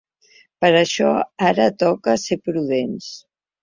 Per això ara toca ser prudents.